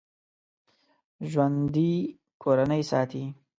ژوندي کورنۍ ساتي